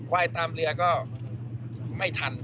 ยตามเรือก็ไม่ทัน